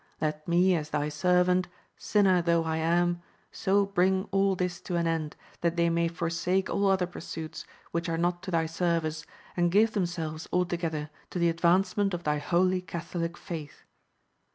Let me as thy servant, sinner though I am, so bring all this to an end, that they may forsake all other pursuits, which are not to thy service, and give themselves altogether to the advancement of thy holy Catholic faith.